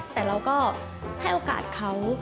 แต่เราก็ให้โอกาสเขา